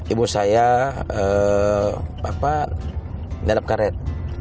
ibu saya bapak nyadap karet